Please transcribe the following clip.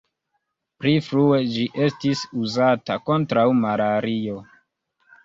Pli frue ĝi estis uzata kontraŭ malario.